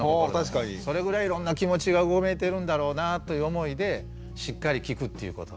それぐらいいろんな気持ちがうごめいてるんだろうなという思いでしっかり聴くっていうこと。